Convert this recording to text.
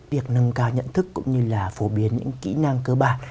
việc nâng cao nhận thức cũng như là phổ biến những kỹ năng cơ bản